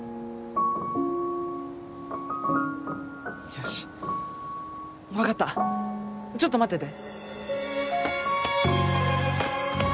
よし分かったちょっと待ってて。